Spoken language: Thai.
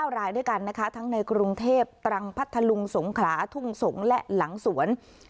รายด้วยกันนะคะทั้งในกรุงเทพตรังพัทธลุงสงขลาทุ่งสงศ์และหลังสวน